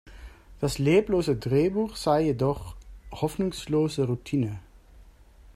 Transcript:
Das „"leblose"“ Drehbuch sei jedoch „"hoffnungslose Routine"“.